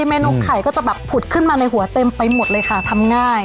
เมนูไข่ก็จะแบบผุดขึ้นมาในหัวเต็มไปหมดเลยค่ะทำง่าย